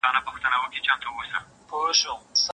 ارغوان او هر ډول ښکلیو